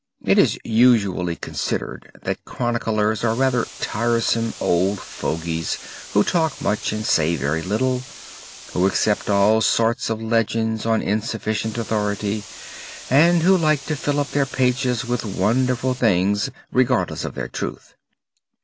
It is usually considered that chroniclers are rather tiresome old fogies who talk much and say very little, who accept all sorts of legends on insufficient authority and who like to fill up their pages with wonderful things regardless of their truth.